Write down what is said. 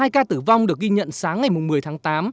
hai ca tử vong được ghi nhận sáng ngày một mươi tháng tám